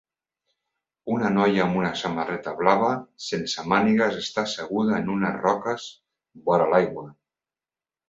Una noia amb una samarreta blava sense mànigues està asseguda en unes roques vora l'aigua.